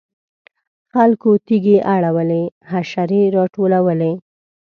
خلکو تیږې اړولې حشرې راټولولې.